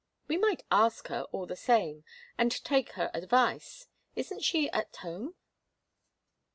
"We might ask her all the same, and take her advice. Isn't she at home?"